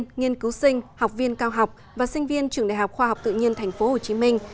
trường đại học tự nhiên cứu sinh học viên cao học và sinh viên trường đại học khoa học tự nhiên thành phố hồ chí minh